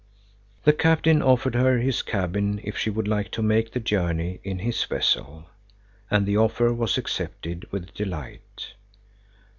The captain offered her his cabin if she would like to make the journey in his vessel, and the offer was accepted with delight.